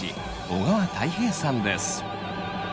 小川泰平さんです。